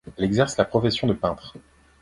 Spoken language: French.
Elle exerce la profession de peintre.